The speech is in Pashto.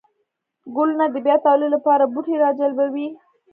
گلونه د بيا توليد لپاره بوټي راجلبوي